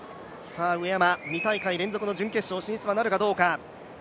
上山、２大会連続の準決勝進出なるか。